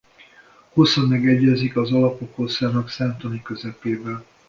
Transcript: Hossza megegyezik az alapok hosszának számtani közepével.